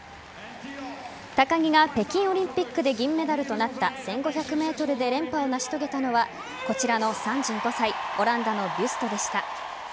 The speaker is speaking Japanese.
高木が北京オリンピックで銀メダルとなった１５００ｍで連覇を成し遂げたのはこちらの３５歳オランダのビュストでした。